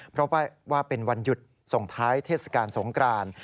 เพราะว่าเป็นวันหยุดส่งท้ายเทศกาลสงกราน